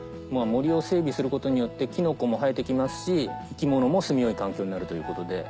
森を整備することによってキノコも生えて来ますし生き物もすみ良い環境になるということで。